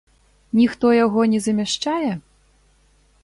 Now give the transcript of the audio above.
Ніхто яго не замяшчае?